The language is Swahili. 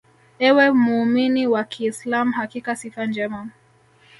Ewe muumini wa kiislam Hakika sifa njema